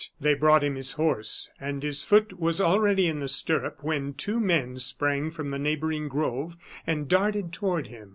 They brought him his horse, and his foot was already in the stirrup, when two men sprang from the neighboring grove and darted toward him.